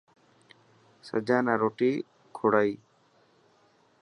سجا نا روٽي ڪوڙائي.